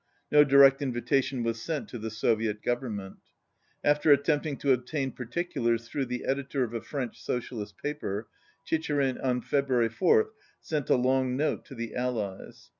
No direct invitation was sent to the Soviet Government. After at tempting to obtain particulars tJhrough the editor of a French socialist paper, Chicherin on February 4th sent a long note to the Allies.